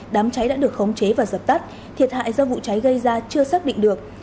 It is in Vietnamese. đám cháy đã được khống chế và dập tắt thiệt hại do vụ cháy gây ra chưa xác định được